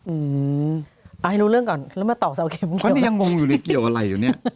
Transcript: อืมเอาให้รู้เรื่องก่อนแล้วมาตอกเสาเข็มเขานี่ยังงงอยู่ในเกี่ยวอะไรอยู่เนี่ย